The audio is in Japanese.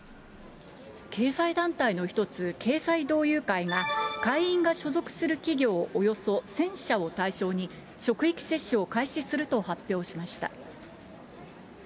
経済団体の一つ、経済同友会が、会員が所属する企業およそ１０００社を対象に、職域接種を開始すると発表しました。